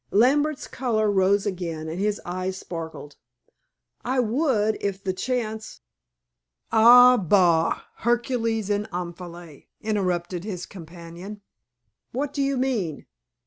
Lambert's color rose again, and his eyes sparkled. "I would if the chance " "Ah, bah, Hercules and Omphale!" interrupted his companion. "What do you mean?"